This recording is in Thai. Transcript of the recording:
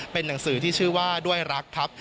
เป็นหนังสือที่ชื่อว่าด้วยรักครับ